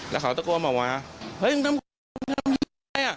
แล้วเขาตะโก้มาว่าเฮ้ยทำอะไรทำอะไรทำอะไรทำอะไรทำอะไร